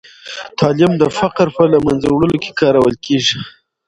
تعلیم د فقر په له منځه وړلو کې کارول کېږي.